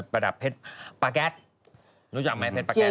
ระดับเพชรปาแก๊สรู้จักไหมเพชรปาแก๊